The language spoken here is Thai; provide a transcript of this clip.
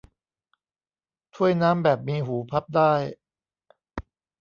ถ้วยน้ำแบบมีหูพับได้